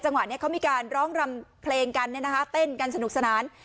จังหวะเนี้ยเขามีการร้องรำเพลงกันเนี่ยนะคะเต้นกันสนุกสนาน